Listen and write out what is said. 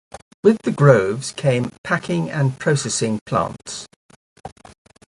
With the groves came packing and processing plants.